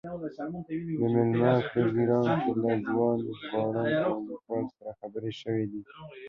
د مېلمه پروګرام کې له ځوان ژباړن او لیکوال سره خبرې شوې دي.